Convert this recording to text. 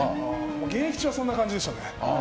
現役中はそんな感じでしたね。